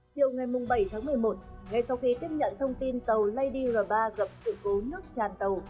chiều ngày bảy tháng một mươi một ngay sau khi tiếp nhận thông tin tàu ladir ba gặp sự cố nước tràn tàu